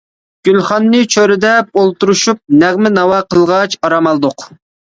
گۈلخاننى چۆرىدەپ ئولتۇرۇشۇپ نەغمە-ناۋا قىلغاچ ئارام ئالدۇق.